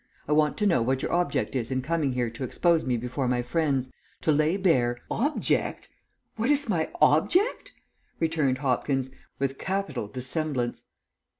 I want to know what your object is in coming here to expose me before my friends, to lay bare " "Object? What is my object?" returned Hopkins, with capital dissemblance.